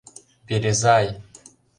Березай!